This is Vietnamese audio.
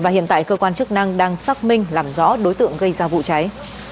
hiện tại cơ quan chức năng đang xác minh làm rõ đối tượng gây ra vụ cháy